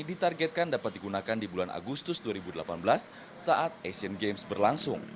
ditargetkan dapat digunakan di bulan agustus dua ribu delapan belas saat asian games berlangsung